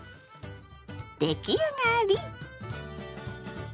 出来上がり！